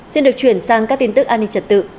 xin được chuyển sang các tin tức an ninh trật tự